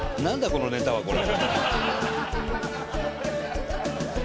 このネタはこれ。